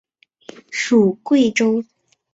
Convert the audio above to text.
属桂州。